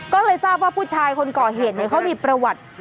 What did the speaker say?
ก็เลยทราบว่าผู้ชายคนก่อเหตุเขามีประวัติ